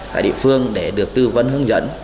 tại địa phương để được tư vấn hướng dẫn